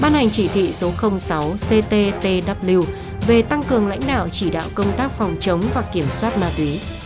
ban hành chỉ thị số sáu cttw về tăng cường lãnh đạo chỉ đạo công tác phòng chống và kiểm soát ma túy